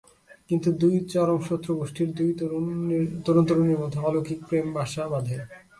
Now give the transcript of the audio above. কিন্তু দুই চরম শত্রু গোষ্ঠীর দুই তরুণ-তরুণীর মধ্যে অলৌকিক প্রেম বাসা বাঁধে।